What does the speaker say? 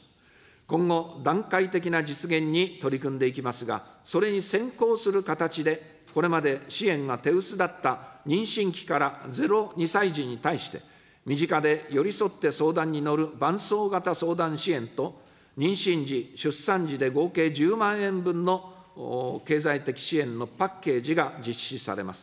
今後、段階的な実現に取り組んでいきますが、それに先行する形で、これまで支援が手薄だった妊娠期から０ー２歳児に対して、身近で寄り添って相談に乗る伴走型相談支援と、妊娠時・出産時で合計１０万円分の経済的支援のパッケージが実施されます。